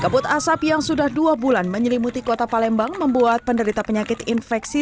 kabut asap yang sudah dua bulan menyelimuti kota palembang membuat penderita penyakit infeksi